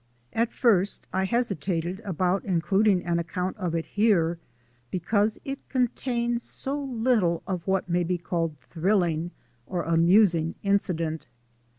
At first I hesitated about including an account of it here because it contains so little of what may be called thrilling or amusing incident.